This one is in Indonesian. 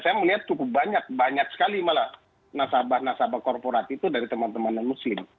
saya melihat cukup banyak banyak sekali malah nasabah nasabah korporat itu dari teman teman non muslim